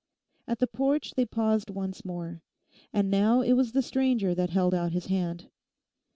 At the porch they paused once more. And now it was the stranger that held out his hand.